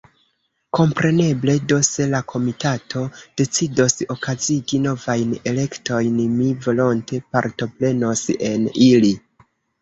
Kompreneble do, se la Komitato decidos okazigi novajn elektojn, mi volonte partoprenos en ili.